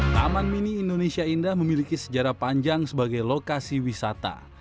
taman mini indonesia indah memiliki sejarah panjang sebagai lokasi wisata